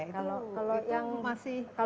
kalau yang masih